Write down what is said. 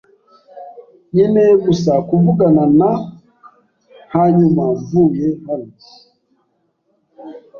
Nkeneye gusa kuvugana na , hanyuma mvuye hano.